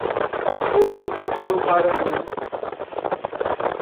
Porto Rico do Maranhão